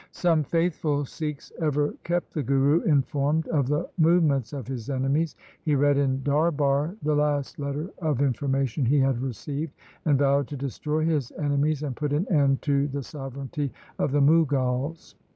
Some faithful Sikhs ever kept the Guru informed of the movements of his enemies. He read in darbar the last letter of information he had received, and vowed to destroy his enemies and put an end to the sovereignty of the Mughals.